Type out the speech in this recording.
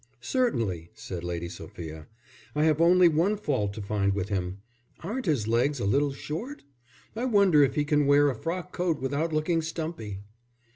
"Certainly," said Lady Sophia. "I have only one fault to find with him. Aren't his legs a little short? I wonder if he can wear a frock coat without looking stumpy."